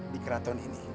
di keraton ini